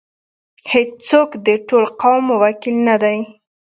هیڅوک د ټول قوم وکیل نه دی.